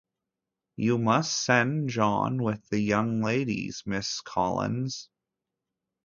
You must send John with the young ladies, Mrs. Collins.